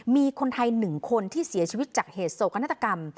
มีคนไทย๑คนที่เสียชีวิตจากเหตุโศกนาฏกรรม